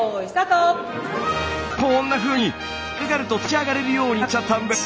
こんなふうに軽々と立ち上がれるようになっちゃったんです！